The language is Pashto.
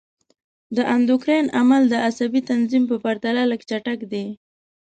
د اندوکراین عمل د عصبي تنظیم په پرتله لږ چټک دی.